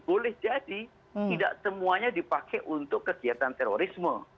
boleh jadi tidak semuanya dipakai untuk kegiatan terorisme